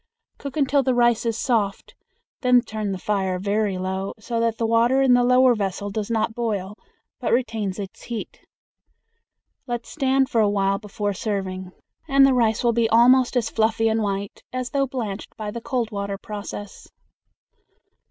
Cook until the rice is soft, then turn the fire very low, so that the water in the lower vessel does not boil but retains its heat. Let stand for a while before serving, and the rice will be almost as fluffy and white as though blanched by the cold water process.